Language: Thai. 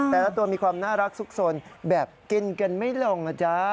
แต่ละตัวมีความน่ารักซุกสนแบบกินกันไม่ลงนะจ๊ะ